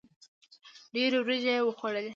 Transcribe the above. ډېري وریجي یې وخوړلې.